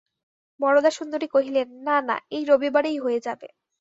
বরদাসুন্দরী কহিলেন, না না, এই রবিবারেই হয়ে যাবে।